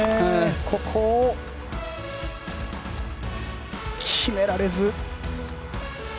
ここを決められず。